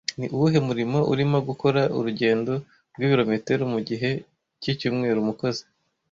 Ni uwuhe murimo urimo gukora urugendo rw'ibirometero mugihe cyicyumweru Umukozi